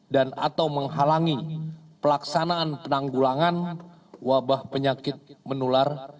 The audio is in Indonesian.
dan atau menghalangi pelaksanaan penanggulangan wabah penyakit menular